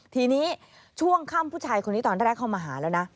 ทีนี้ช่วงค่ำผู้ชายคนนี้ตอนแรกเข้ามาหาแล้วนะ